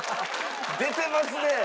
出てますね！